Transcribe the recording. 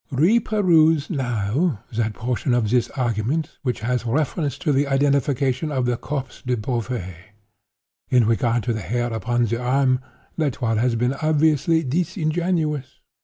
"Reperuse now that portion of this argument which has reference to the identification of the corpse by Beauvais. In regard to the hair upon the arm, L'Etoile has been obviously disingenuous.